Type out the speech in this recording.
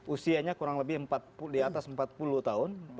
usianya kurang lebih diatas empat puluh tahun